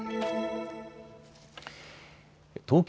東京